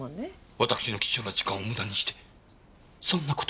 わたくしの貴重な時間を無駄にしてそんな事を。